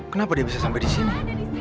kenapa dia bisa sampai disini